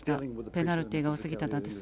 ペナルティーが多すぎたのです。